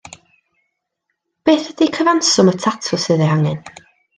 Beth ydi cyfanswm y tatws sydd eu hangen?